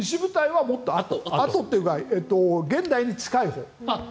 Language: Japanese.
石舞台はもっとあとというか現代に近いほう。